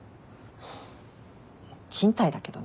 賃貸だけどね。